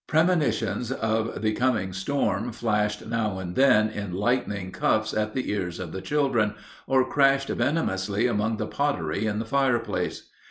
Premonitions of the coming storm flashed now and then in lightning cuffs on the ears of the children, or crashed venomously among the pottery in the fireplace.